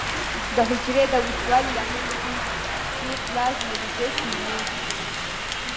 د حجرې د وچوالي لامل کیږي چې پلازمولیزس نومېږي.